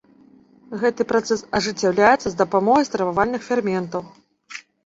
Гэты працэс ажыццяўляецца з дапамогай стрававальных ферментаў.